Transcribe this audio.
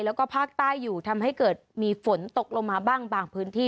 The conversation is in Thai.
แล้วก็ภาคใต้อยู่ทำให้เกิดมีฝนตกลงมาบ้างบางพื้นที่